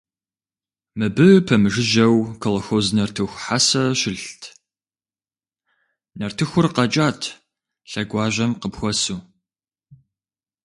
Мыбы пэмыжыжьэу колхоз нартыху хьэсэ щылът, нартыхур къэкӏат лъэгуажьэм къыпхуэсу.